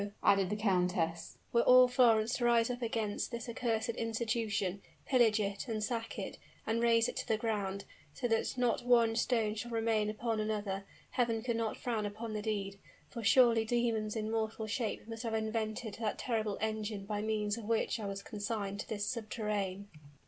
added the countess, "were all Florence to rise up against this accursed institution, pillage it, and sack it, and raze it to the ground, so that not one stone shall remain upon another, heaven could not frown upon the deed! For surely demons in mortal shape must have invented that terrible engine by means of which I was consigned to this subterrane!"